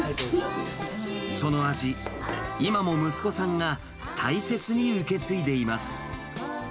その味、今も息子さんが大切に受け継いでいます。